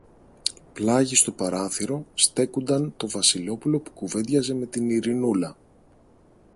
Πλάγι στο παράθυρο στέκουνταν το Βασιλόπουλο που κουβέντιαζε με την Ειρηνούλα